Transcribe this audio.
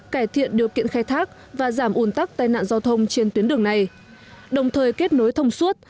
cải thiện điều kiện khai thác và giảm ủn tắc tai nạn giao thông trên tuyến đường này đồng thời kết nối thông suốt